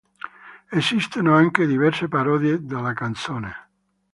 Esistono anche diverse parodie della canzone.